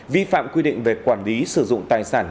vi phạm quy định về quản lý sử dụng tài sản